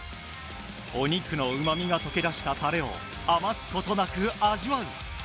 お肉の旨味が溶け出したタレを余すことなく味わう